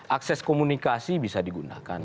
akses komunikasi bisa digunakan